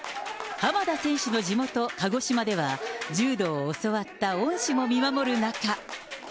浜田選手の地元、鹿児島では、柔道を教わった恩師も見守る中。